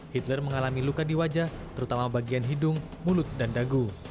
hitler mengalami luka di wajah terutama bagian hidung mulut dan dagu